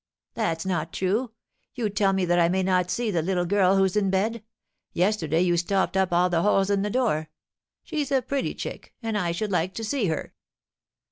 "That's not true. You tell me that I may not see the little girl who's in bed. Yesterday you stopped up all the holes in the door. She's a pretty chick, and I should like to see her.